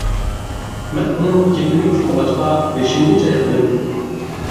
مەن ئۇنىڭ گېپىنى ئۇقمىغاچقا، بېشىمنى چايقىدىم.